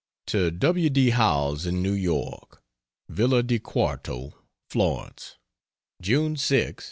To W. D. Howells, in New York. VILLA DI QUARTO, FLORENCE, June 6, '94.